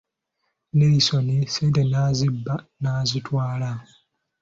Nelisoni sente n'azibba n'azitwala!